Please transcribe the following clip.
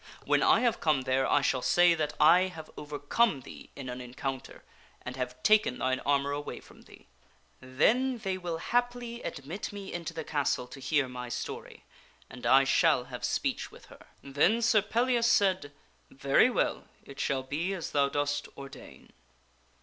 When I have come there I shall say that I have overcome thee in Sir Gawaine advises with an encounter, and have taken thine armor away from thee. sir Pellias Then they will haply admit me into the castle to hear my story, and I shall have speech with her." Then Sir Pellias said, " Very well ; it shall be as thou dost ordain."